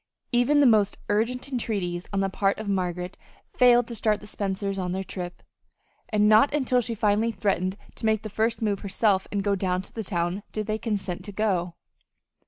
Even the most urgent entreaties on the part of Margaret failed to start the Spencers on their trip, and not until she finally threatened to make the first move herself and go down to the town, did they consent to go.